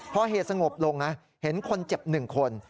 พอเหตุสงบลงนะเห็นคนเจ็บ๑คน